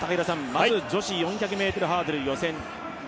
まず、女子４００ｍハードル予選。